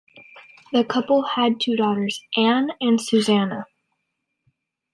The couple had two daughters, Anne and Susannah.